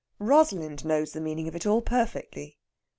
Rosalind knows the meaning of it all perfectly.